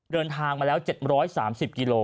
เดินทางมาแล้วเจ็ดร้อยสามสิบกิโล